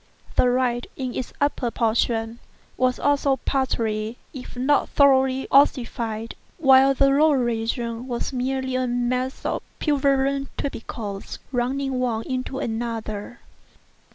The right, in its upper portion, was also partially, if not thoroughly, ossified, while the lower region was merely a mass of purulent tubercles, running one into another.